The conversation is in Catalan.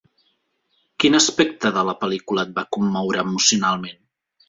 Quin aspecte de la pel·lícula et va commoure emocionalment?